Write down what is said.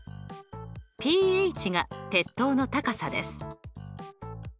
ＰＨが鉄塔の高さです。